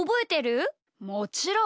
もちろん！